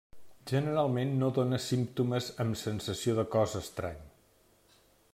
Generalment no dóna símptomes amb sensació de cos estrany.